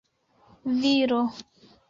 viro